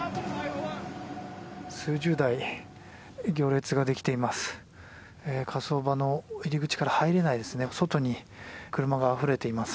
数十台行列ができています。